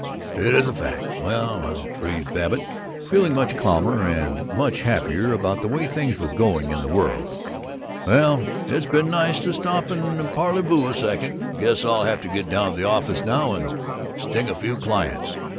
"Is that a fact! Well, well!" breathed Babbitt, feeling much calmer, and much happier about the way things were going in the world. "Well, it's been nice to stop and parleyvoo a second. Guess I'll have to get down to the office now and sting a few clients.